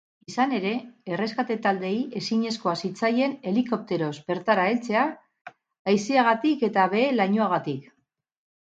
Izan ere, erreskate-taldeei ezinezkoa zitzaien helikopteroz bertara heltzea haizeagatik eta behe-lainoagatik.